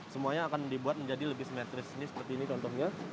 semuanya akan dibuat menjadi lebih simetris ini seperti ini contohnya